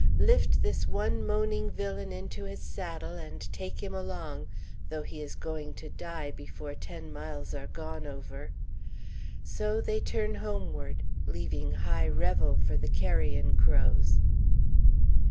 Lift this one moaning villain into his saddle and take him along, though he is going to die before ten miles are gone over. So they turn homeward, leaving high revel for the carrion crows.